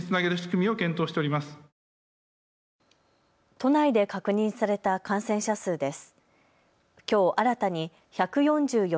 都内で確認された感染者数です。